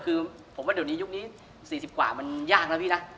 คือผมว่าเดี๋ยวนี้ยุคนี้๔๐กว่ามันยากนะพี่นะ